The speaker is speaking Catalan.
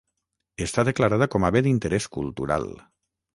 Està declarada com a Bé d'Interés Cultural.